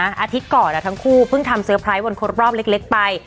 อาทิตย์ก่อนทั้งคู่เพิ่งทำเตอร์ไพรสวันครบรอบเล็กไป